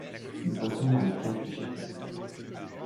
Nous passons dans les caves du chateau.